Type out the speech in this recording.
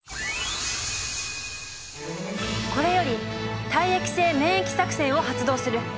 これより体液性免疫作戦を発動する。